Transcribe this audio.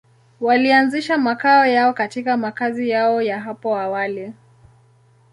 Walianzisha makao yao katika makazi yao ya hapo awali.